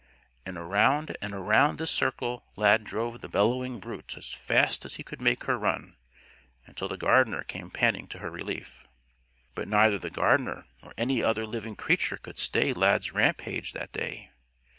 And around and around this circle Lad drove the bellowing brute as fast as he could make her run, until the gardener came panting to her relief. But neither the gardener nor any other living creature could stay Lad's rampage that day.